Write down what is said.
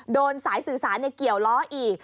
โดนสายสื่อสารเกี่ยวล้ออีก